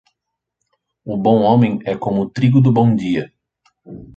O bom homem é como o trigo do bom dia.